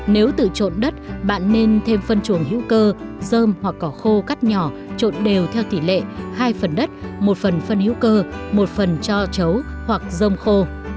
nếu tự trộn đất bạn nên thêm phân chuồng hữu cơ dơm hoặc cỏ khô cắt nhỏ trộn đều theo tỷ lệ hai phần đất một phần phân hữu cơ một phần cho chấu hoặc dơm khô